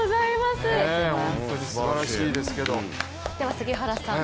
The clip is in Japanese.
杉原さん